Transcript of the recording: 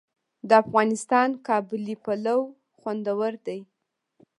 د افغانستان قابلي پلاو خوندور دی